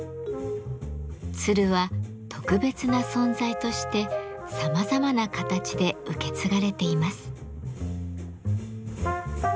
鶴は特別な存在としてさまざまな形で受け継がれています。